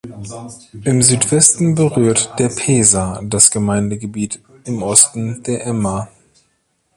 Im Südwesten berührt der Pesa das Gemeindegebiet, im Osten der Ema.